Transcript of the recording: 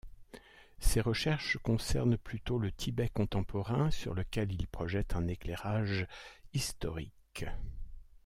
Ses recherches concernent plutôt le Tibet contemporain, sur lequel il projette un éclairage historique.